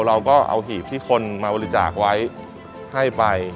เราก็เอาหีบที่คนมาบริจาคไว้ให้ไป